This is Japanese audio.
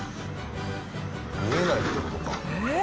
見えないって事か。